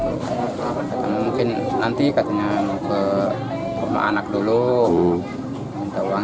nenek amung yang kesakitan pun berteriak meminta tolong kepada warga